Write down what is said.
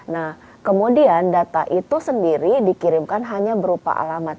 nah kemudian data itu sendiri dikirimkan hanya berupa alamat